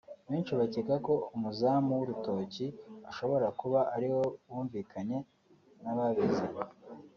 Benshi bakeka ko umuzamu w’urutoki ashobora kuba ariwe wumvikanye n’ababizanye